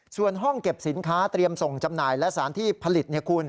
ส่วนห้องเก็บสินค้าเตรียมส่งจำหน่ายและสารที่ผลิต